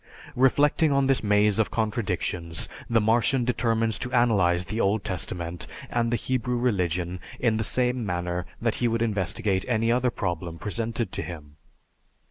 Reflecting on this maze of contradictions, the Martian determines to analyze the Old Testament and the Hebrew religion in the same manner that he would investigate any other problem presented to him.